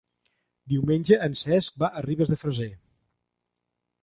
Diumenge en Cesc va a Ribes de Freser.